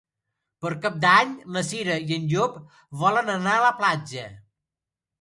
Per Cap d'Any na Cira i en Llop volen anar a la platja.